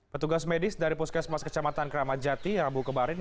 petugas medis dari puskesmas kecamatan kramat jati rabu kemarin